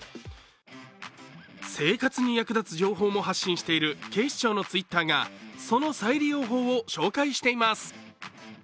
生活に役立つ情報も発信している警視庁のＴｗｉｔｔｅｒがその再利用法を紹介しています。